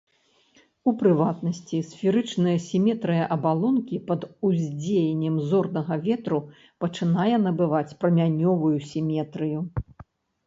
У прыватнасці, сферычная сіметрыя абалонкі пад уздзеяннем зорнага ветру пачынае набываць прамянёвую сіметрыю.